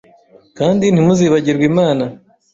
kandi ntimuzibagirwe Imana